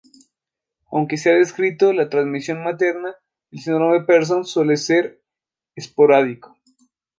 Aunque se ha descrito la transmisión materna, el síndrome de Pearson suele ser esporádico.